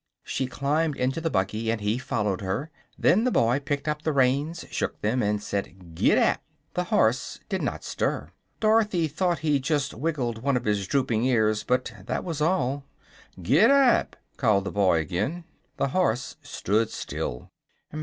She climbed into the buggy and he followed her. Then the boy picked up the reins, shook them, and said "Gid dap!" The horse did not stir. Dorothy thought he just wiggled one of his drooping ears, but that was all. "Gid dap!" called the boy, again. The horse stood still.